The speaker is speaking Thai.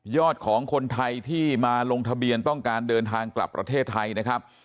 ของคนไทยที่มาลงทะเบียนต้องการเดินทางกลับประเทศไทยนะครับ